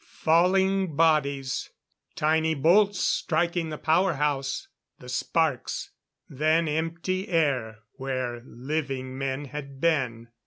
Falling bodies; tiny bolts striking the power house; the sparks then empty air where living men had been.